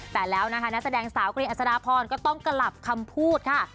แต่แล้วนะคะนักแสดงสาวกรีดอัศดาพรก็ต้องกลับคำพูดค่ะ